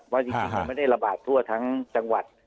ว่าจริงมันไม่ได้ระบาดทั่วทั้งจังหวัด